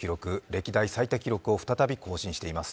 歴代最多記録を再び更新しています。